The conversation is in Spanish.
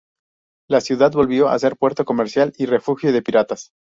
La ciudad volvió a ser puerto comercial y refugio de piratas.